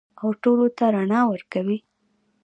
او ټولو ته رڼا ورکوي.